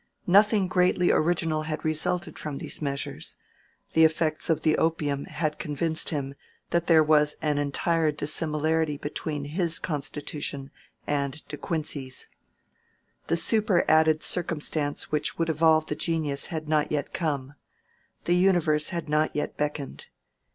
Nothing greatly original had resulted from these measures; and the effects of the opium had convinced him that there was an entire dissimilarity between his constitution and De Quincey's. The superadded circumstance which would evolve the genius had not yet come; the universe had not yet beckoned.